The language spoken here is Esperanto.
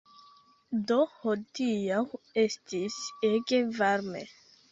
Do, hodiaŭ estis ege varme